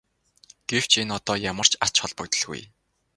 Гэвч энэ одоо ямар ч ач холбогдолгүй.